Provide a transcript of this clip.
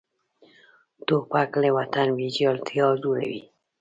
توپک له وطن ویجاړتیا جوړوي.